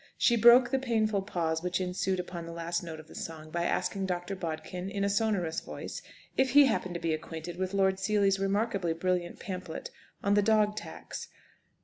She broke the painful pause which ensued upon the last note of the song, by asking Dr. Bodkin, in a sonorous voice, if he happened to be acquainted with Lord Seely's remarkably brilliant pamphlet on the dog tax.